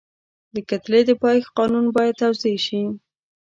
د کتلې د پایښت قانون باید توضیح شي.